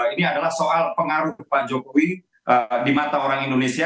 ini adalah soal pengaruh pak jokowi di mata orang indonesia